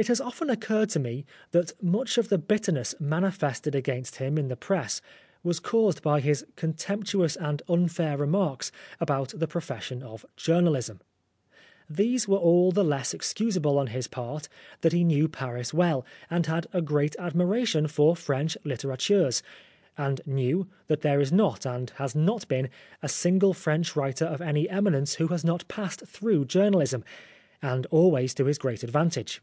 It has often occurred to me, that much of the bitterness manifested against him in the press, was caused by his contemptuous and unfair remarks about the profession of journalism. These were all the less excus able on his part that he knew Paris well, and had a great admiration for French litterateurs, and knew that there is not, and has not been, a single French writer of any eminence who has not passed through journalism, and always to his great advan tage.